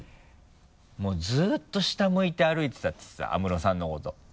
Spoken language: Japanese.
もうずっと下向いて歩いてたって言ってた安室さんのこと。